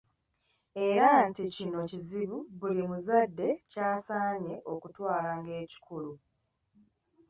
Era nti kino kizibu buli muzadde ky’asaanye okutwala ng’ekikulu.